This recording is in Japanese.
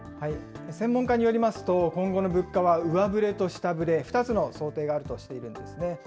専門家によりますと、今後の物価は上振れと下振れ、２つの想定があるとしているんですね。